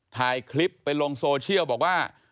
ถ่ายคลิปไปลงโซเชียลบอกว่า